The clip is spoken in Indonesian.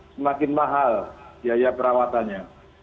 semakin mahal biaya perawatannya